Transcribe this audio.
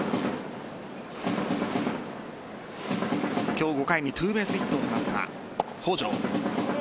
今日５回にツーベースヒットを放った北條。